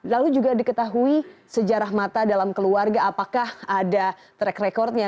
lalu juga diketahui sejarah mata dalam keluarga apakah ada track recordnya